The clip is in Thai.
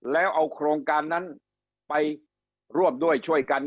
แล้วเอาโครงการนั้นไปร่วมด้วยช่วยกัน